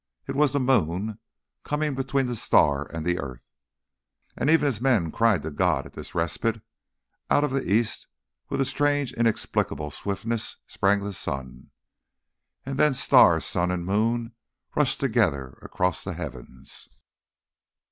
It was the moon, coming between the star and the earth. And even as men cried to God at this respite, out of the East with a strange inexplicable swiftness sprang the sun. And then star, sun and moon rushed together across the heavens.